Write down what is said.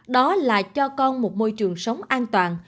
đó là cho con một môi trường sống an toàn